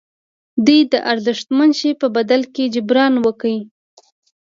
دوی د ارزښتمن شي په بدل کې جبران وکړي.